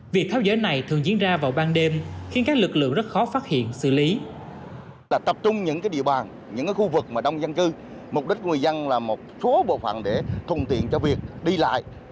việc tháo dỡ này thường diễn ra vào ban đêm khiến các lực lượng rất khó phát hiện xử lý